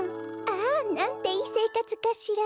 ああなんていいせいかつかしら！